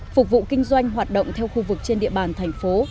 phục vụ kinh doanh hoạt động theo khu vực trên địa bàn thành phố